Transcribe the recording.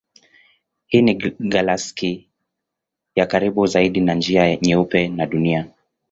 Hii ni galaksi ya karibu zaidi na Njia Nyeupe na Dunia.